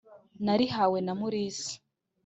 Narihawe na Musinga